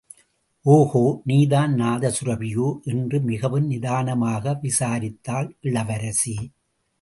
ஒஹோ, நீதான் நாதசுரபியோ? என்று மிகவும் நிதானமாக விசாரித்தாள் இளவரசி.